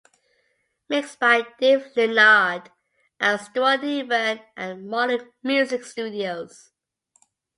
Mixed by Dave Leonard and Stuart Niven at Modern Music Studios.